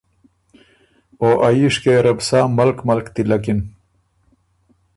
که ا ييشکئ یه ره بو سا ملک ملک تِلکِن۔